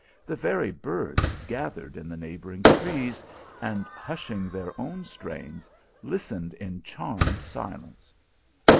The very birds gath ered in the neighbouring trees, and, hushing their own strains, listened in charmed silence.